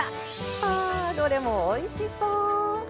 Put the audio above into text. あー、どれもおいしそう！